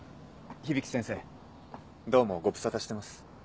響先生どうもご無沙汰してます。